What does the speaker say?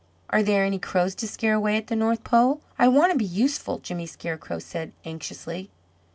"Are there any crows to scare away at the North Pole? I want to be useful," Jimmy Scarecrow said, anxiously.